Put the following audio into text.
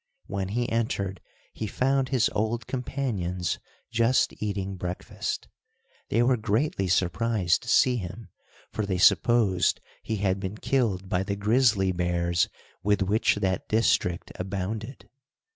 When he entered he found his old companions just eating breakfast. They were greatly surprised to see him, for they supposed he had been killed by the grizzly bears with which that district abounded.